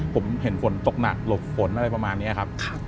ผมเห็นฝนตกหนักหลบฝนอะไรประมาณนี้ครับ